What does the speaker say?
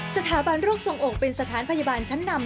สถาบันโรคทรงอกเป็นสถานพยาบาลชั้นนำ